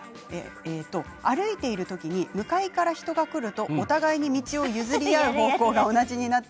歩いている時に向かいから人が来るとお互いに道を譲り合う方向が同じになる。